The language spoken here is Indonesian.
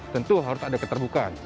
tentu harus ada keterbukaan